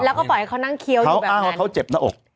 แล้วก็บอกให้เขานั่งเคี้ยวอยู่แบบนั้นเขาอ้างว่าเขาเจ็บหน้าอก